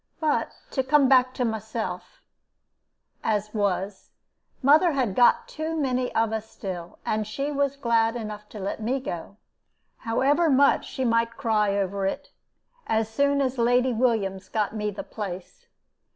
But to come back to myself, as was mother had got too many of us still, and she was glad enough to let me go, however much she might cry over it, as soon as Lady Williams got me the place.